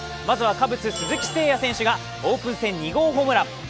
まずはカブス・鈴木千や選手がオープン戦２号ホームラン。